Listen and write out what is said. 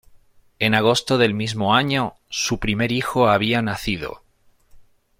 En agosto del mismo año su primer hijo había nacido.